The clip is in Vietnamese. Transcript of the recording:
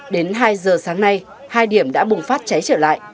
đến hai giờ sáng nay hai điểm đã bùng phát cháy trở lại